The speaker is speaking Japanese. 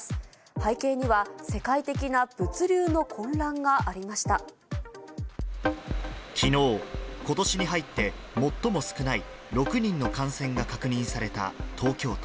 背景には、世界的な物流の混乱がきのう、ことしに入って最も少ない６人の感染が確認された東京都。